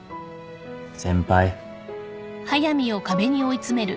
先輩。